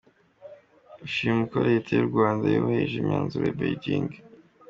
Ashima uko Leta y’u Rwanda yubahiriza imyanzuro ya Beijing.